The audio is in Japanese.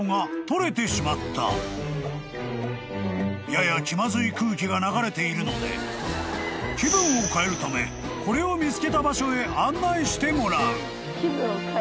［やや気まずい空気が流れているので気分を変えるためこれを見つけた場所へ案内してもらう］